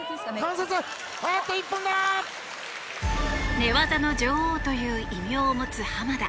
寝技の女王という異名を持つ濱田。